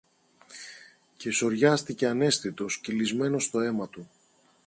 Και σωριάστηκε αναίσθητος, κυλισμένος στο αίμα του.